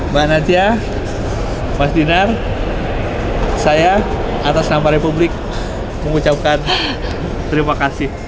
mbak nadia mas dinar saya atas nama republik mengucapkan terima kasih